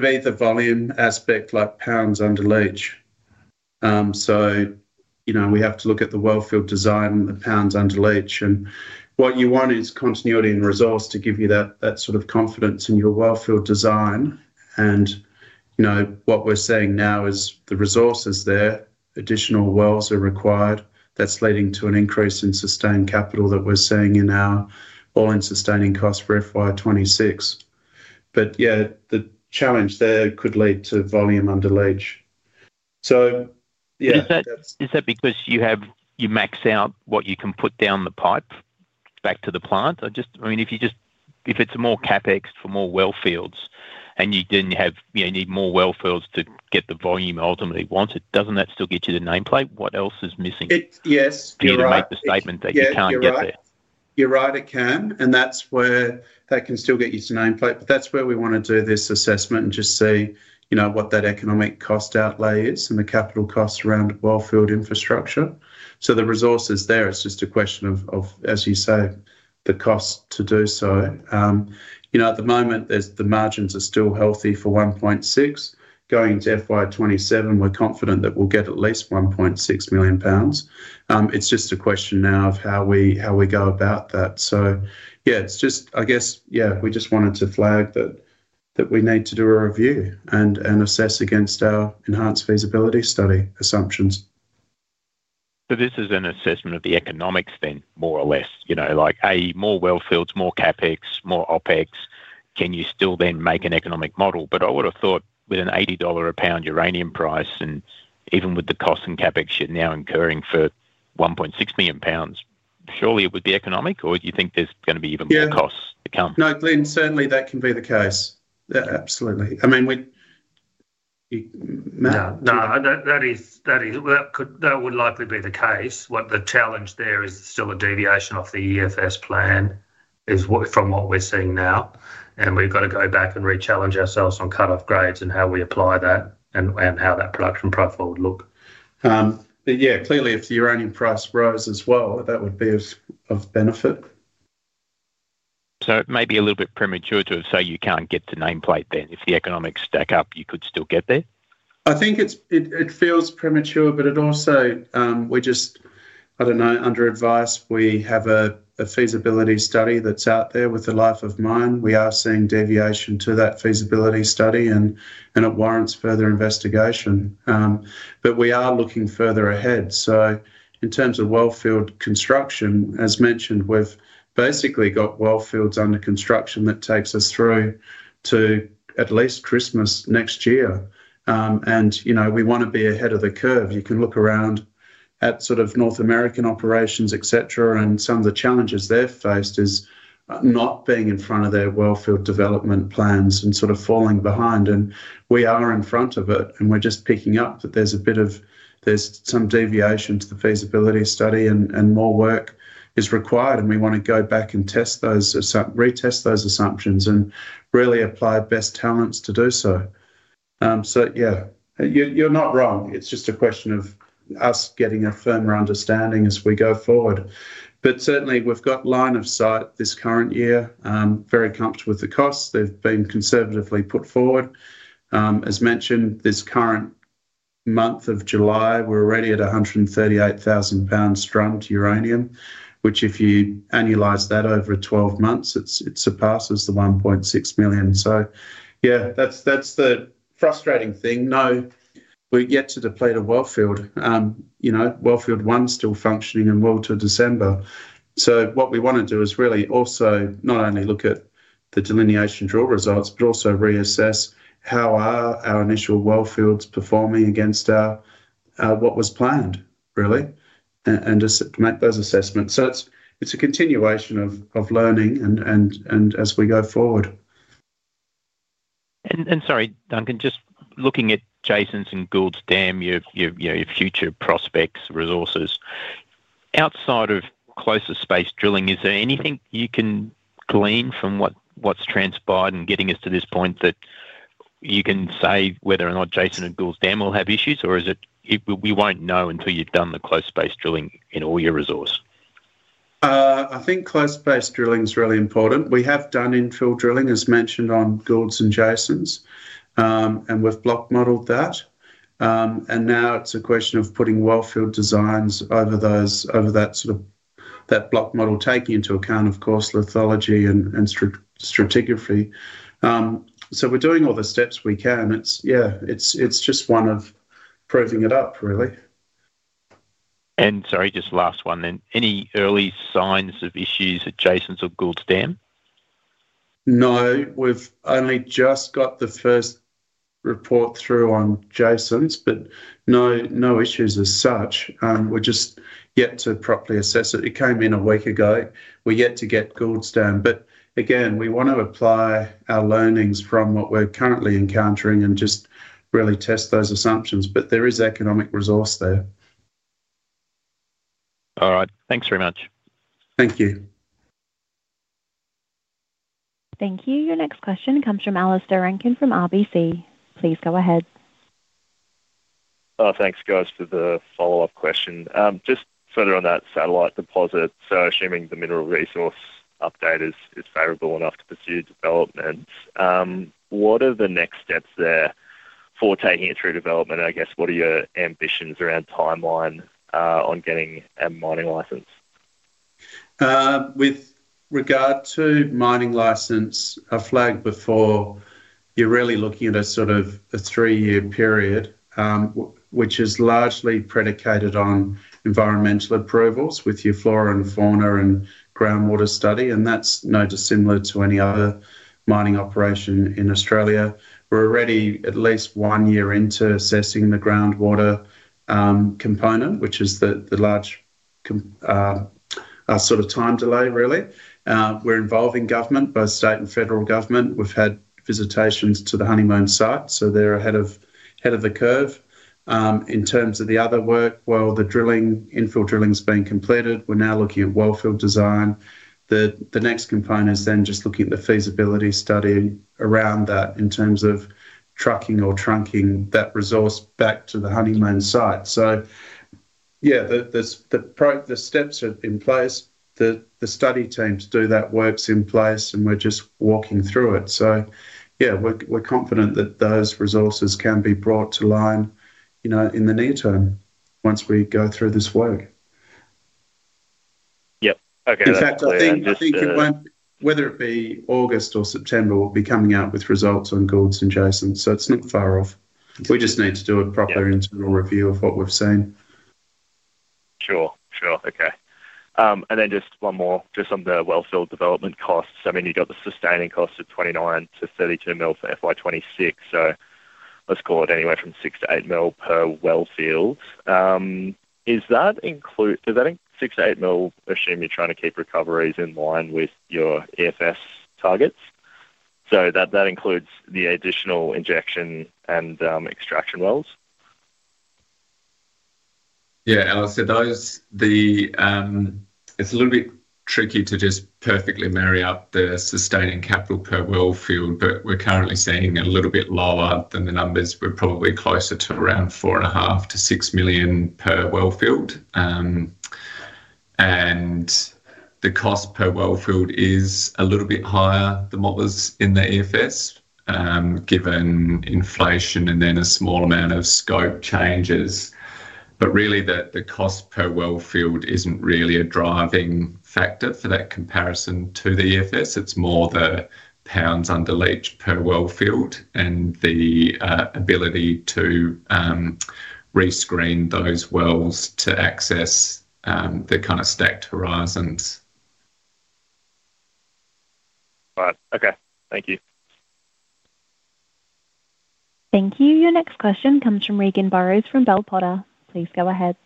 be the volume aspect, like pounds under leach. We have to look at the wellfield design and the pounds under leach, and what you want is continuity and resource to give you that sort of confidence in your wellfield design. What we're seeing now is the resource is there. Additional wells are required, and that's leading to an increase in sustaining capital that we're seeing in our all-in sustaining cost for FY 2026. The challenge there could lead to volume under leach. Is that because you max out what you can put down the pipe back to the plant? I mean, if it's more CapEx for more wellfields and you need more wellfields to get the volume ultimately wanted, doesn't that still get you the nameplate? What else is missing? Yes, you're right, it can and that's where that can still get used to nameplate. That's where we want to do this assessment and just see what that economic cost outlay is and the capital costs around wellfield infrastructure so the resources are there. It's just a question of, as you say, the cost to do so. You know, at the moment the margins are still healthy. For 1.6 million going to FY 2027, we're confident that we'll get at least 1.6 million lbs. It's just a question now of how we go about that. We just wanted to flag that we need to do a review and assess against our enhanced feasibility study assumptions. Is this an assessment of the economics then? More or less, you know, like more wellfields, more CapEx, more OpEx. Can you still then make an economic model? I would have thought with an 80 dollar per pound uranium price and even with the costs and CapEx you're now incurring for 1.6 million lbs, surely it would be economic, or do you think there's going to be even more costs to come? No, Glyn, certainly that can be the case. Absolutely. I mean, we. That would likely be the case. The challenge there is still a deviation off the EFS plan from what we're seeing now, and we've got to go back and re-challenge ourselves on cutoff grades and how we apply that and how that production profile would look. Yeah, clearly if the uranium price rose as well, that would be of benefit. It may be a little bit. Premature to say you can't get to nameplate, then if the economics stack up, you could still get there. I think it feels premature, but we just, under advice, have a feasibility study that's out there with the life of mine. We are seeing deviation to that feasibility study, and it warrants further investigation, but we are looking further ahead. In terms of wellfield construction, as mentioned, we've basically got wellfields under construction that take us through to at least Christmas next year, and we want to be ahead of the curve. You can look around at sort of North American operations, etc., and some of the challenges they've faced are not being in front of their wellfield development plans and sort of falling behind. We are in front of it, and we're just picking up that there's a bit of deviation to the feasibility study, and more work is required. We want to go back and retest those assumptions and really apply best talents to do so. You're not wrong; it's just a question of us getting a firmer understanding as we go forward, but certainly we've got line of sight this current year, very comfortable with the costs. They've been conservatively put forward. As mentioned, this current month of July, we're already at 138,000 lbs drum to uranium, which if you annualize that over 12 months, it surpasses the 1.6 million lbs. That's the frustrating thing. No, we're yet to deplete a wellfield; wellfield one's still functioning and well to December. What we want to do is really also not only look at the delineation drill results but also reassess how our initial wellfields are performing against what was planned and just make those assessments. It's a continuation of learning as we go forward. Sorry Duncan, just looking at Jason’s and Goulds Dam, your future prospects resources outside of close-spaced drilling, is there anything you can glean from what’s transpired and getting us to this point that you can say whether or not Jason’s and Goulds Dam will have issues, or is it we won’t know until you’ve done the close-spaced drilling in all your resource? I think close-spaced drilling is really important. We have done infill drilling as mentioned on Goulds Dam and Jason’s, and we've block modeled that. Now it's a question of putting wellfield designs over that block model, taking into account, of course, lithology and stratigraphy, so we're doing all the steps we can. It's just one of proving. Sorry, just last one then. Any early signs of issues at Jason’s or Goulds Dam? No, we've only just got the first report through on Jason’s, but no issues as such, we're just yet to properly assess it. It came in a week ago. We're yet to get Goulds Dam, but again, we want to apply our learnings from what we're currently encountering and just really test those assumptions, but there is economic resource there. All right, thanks very much. Thank you. Thank you, your next question comes from Alistair Rankine from RBC. Please go ahead. Thanks for the follow up question. Further on that satellite deposit, assuming the mineral resource update is favorable enough to pursue development, what are the next steps there for taking it through development? I guess, what are your ambitions around timeline on getting a mining license? With regard to mining license, a flag before. You're really looking at a sort of a three year period, which is largely predicated on environmental approvals with your flora and fauna and groundwater study. That's no dissimilar to any other mining operation in Australia. We're already at least one year into assessing the groundwater component, which is the large sort of time delay really. We're involving government, both state and federal government. We've had visitations to the Honeymoon site, so they're ahead of the curve in terms of the other work. The infill drilling has been completed. We're now looking at wellfield design. The next component is then just looking at the feasibility study around that in terms of trucking or trunking that resource back to the Honeymoon site. The steps are in place, the study teams do that. Work's in place and we're just walking through it. We're confident that those resources can be brought to line in the near term once we go through this work. Yep. Okay. In fact, I think it won't. Whether it be August or September, we'll be coming out with results on Goulds Dam and Jason’s. It's not far off. We just need to do a proper integral review of what we've seen. Sure. Okay. Just one more on the wellfield development costs. You've got the sustaining costs of 29 million-32 million for FY 2026. Let's call it anywhere from 6 million-8 million per wellfield. Does that 6 million-8 million assume you're trying to keep recoveries in line with your EFS targets? That includes the additional injection and extraction wells. Yeah, Alastair said those. It's a little bit tricky to just perfectly marry up the sustaining capital per wellfield. We're currently standing a little bit lower than the numbers. We're probably closer to around 4.5 million-6 million per wellfield, and the cost per wellfield is a little bit higher than what was in the EFS given inflation and then a small amount of scope changes. Really, the cost per wellfield isn't really a driving factor for that comparison to the EFS. It's more the pounds under leach per wellfield and the ability to re-screen those wells to access the kind of stacked horizons Okay, thank you. Thank you. Your next question comes from Regan Burrows from Bell Potter. Please go ahead.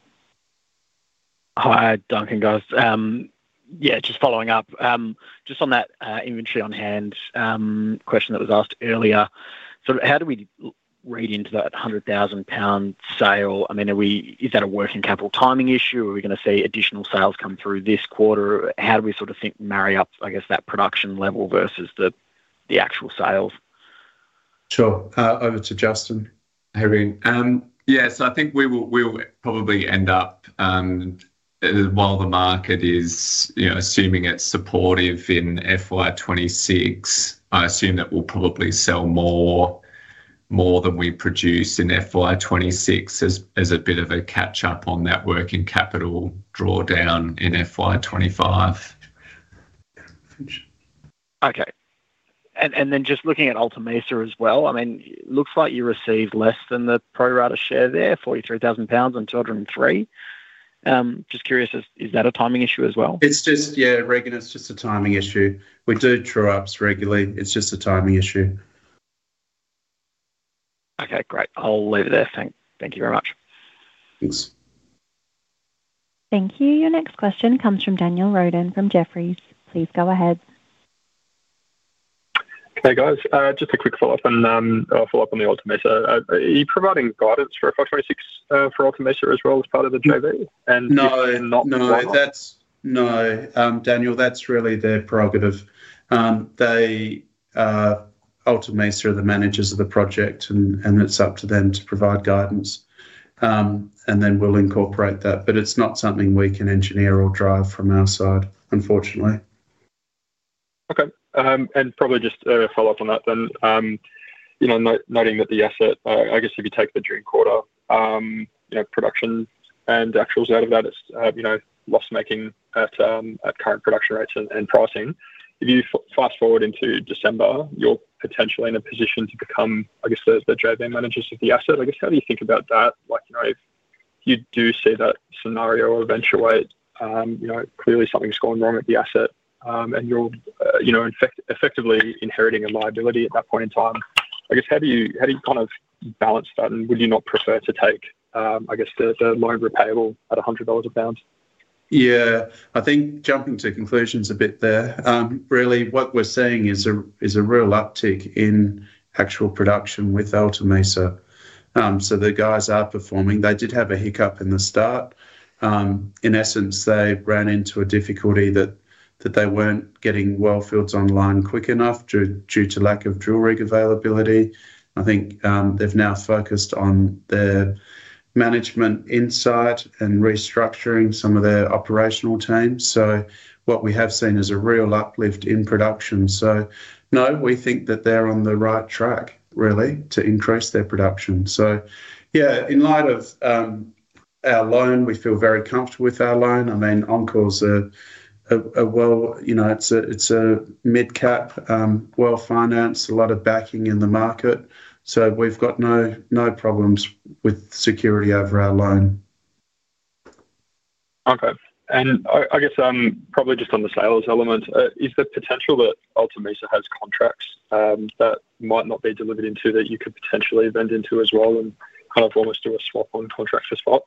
Hi, Duncan. Guys. Yeah, just following up on that inventory on hand question that was asked earlier. How do we read into that 100,000 lbs sale? Is that a working capital timing issue? Are we going to see additional sales come through this quarter? How do we think, marry up, I guess, that production level. Versus the actual sales? Sure. Over to Justin. Hey, Regan. Yes, I think we'll probably end up, while the market is assuming it's supportive in FY 2026. I assume that we'll probably sell more than we produce in FY 2026 as a bit of a catch up on that working capital drawdown in FY 2025. Okay. Just looking at Alta Mesa as well. It looks like you received less than the pro rata share there, AUD 43,000 on 2023. Just curious, is that a timing issue as well? Yeah, Regan, it's just a timing issue. We do true ups regularly. It's just a timing issue. Okay, great. I'll leave it there. Thank you very much. Thanks. Thank you. Your next question comes from Daniel Roden from Jefferies. Please go ahead. Hey guys, just a quick follow up on the Alta Mesa. Are you providing guidance for FY 2026 for Alta Mesa as well as part of the NAV or not. No, Daniel, that's really their prerogative. They, Alta Mesa, are the managers of the project and it's up to them to provide guidance and then we'll incorporate that. It's not something we can engineer or drive from our side, unfortunately. Probably just follow up on that then, noting that the asset, I guess if you take the dream quarter production and actuals out of that, it's loss making at current production rates and pricing. If you fast forward into December, you're potentially in a position to become, I guess, the driving managers of the asset. How do you think about that? Like you do see that scenario eventually. Clearly something's gone wrong with the asset and you're effectively inheriting a liability at that point in time, I guess. How do you kind of balance that? Would you not prefer to take, I guess, the loan repayable at 100 dollars a pound? I think jumping to conclusions a bit there really. What we're seeing is a real uptick in actual production with Alta Mesa. The guys are performing. They did have a hiccup in the start. In essence, they ran into a difficulty that they weren't getting wellfields online quick enough due to lack of drill rig availability. I think they've now focused on their management insight and restructuring some of their operational teams. What we have seen is a real uplift in production. We think that they're on the right track really to increase their production. In light of our loan, we feel very comfortable with our loan. I mean enCore Energy is a mid cap, well financed, a lot of backing in the market. We've got no problems with security over our loan. Okay. I guess just on the sales element, is the potential that Alta Mesa has contracts that might not be delivered into that you could potentially vend into as well and kind of almost do a swap on contract for spot.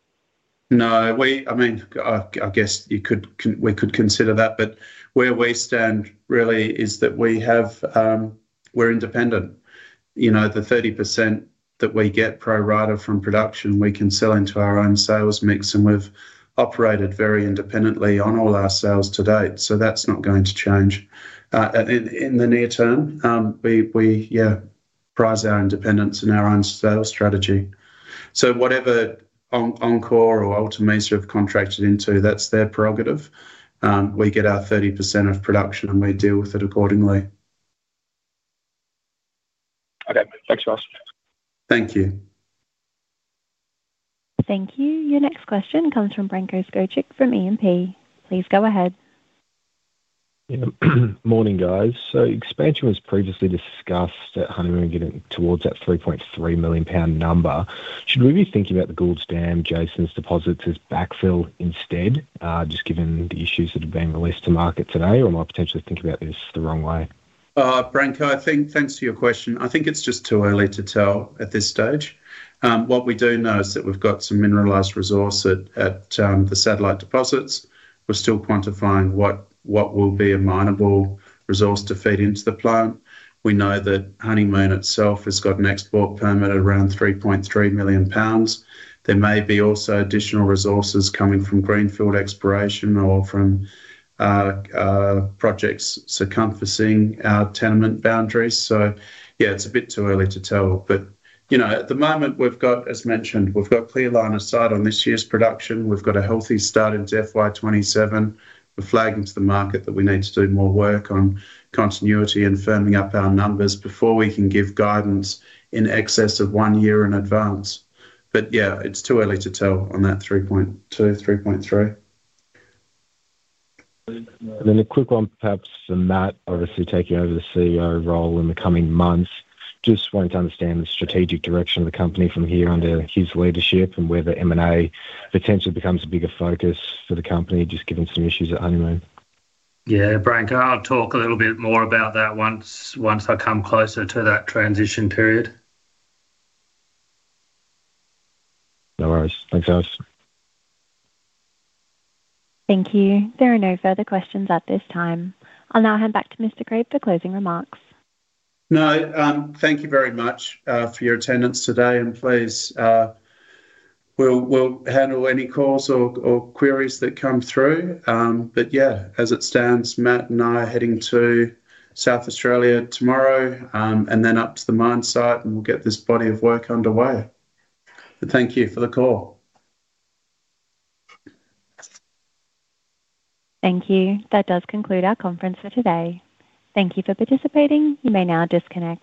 No, I mean I guess you could, we could consider that. Where we stand really is that we have, we're independent. You know, the 30% that we get pro rata from production we can sell into our own sales mix. We've operated very independently on all our sales to date. That's not going to change in the near term. We prize our independence in our own sales strategy. Whatever enCore or Alta Mesa have contracted into, that's their prerogative. We get our 30% of production and we deal with it accordingly. Okay. Thanks, guys. Thank you. Thank you. Your next question comes from Branko Skocic from E&P. Please. Go ahead. Morning guys. Expansion was previously discussed at Honeymoon. Getting towards that 3.3 million lbs number. Should we be thinking about the Goulds Dam, Jason’s deposits as backfill instead? Just given the issues that have been released to market today. Am I potentially thinking about this the wrong way? Branko, thanks for your question. I think it's just too early to tell at this stage. What we do know is that we've got some mineralized resource at the satellite deposits. We're still quantifying what will be a minable resource to feed into the plant. We know that Honeymoon itself has got an export permit around 3.3 million lbs. There may be also additional resources coming from greenfield exploration or from projects circumflexing tenement boundaries. It's a bit too early to tell, but you know, at the moment we've got, as mentioned, we've got clear line of sight on this year's production. We've got a healthy start in FY 2027. We're flagging to the market that we need to do more work on continuity and firming up our numbers before we can give guidance in excess of one year in advance. It's too early to tell on that. 3.2 million lbs, 3.3 million lbs. A quick one, perhaps. Matt obviously taking over the CEO role in the coming months. Just wanting to understand the strategic direction of the company from here under his leadership, and whether M&A potentially becomes a bigger focus for the company. Just given some issues at Honeymoon. Yeah, Branko, I'll talk a little bit more about that once I come closer to that transition period. No worries. Thanks, guys. Thank you. There are no further questions at this time. I'll now hand back to Mr. Craib for closing remarks. Thank you very much for your attendance today. Please, we'll handle any calls or queries that come through. As it stands, Matt and I are heading to South Australia tomorrow and then up to the mine site, and we'll get this body of work underway. Thank you for the call. Thank you. That does conclude our conference for today. Thank you for participating. You may now disconnect.